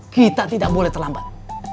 kita tidak boleh terlambat